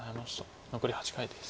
残り８回です。